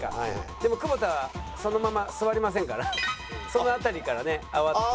でも久保田はそのまま座りませんからその辺りからね慌てる。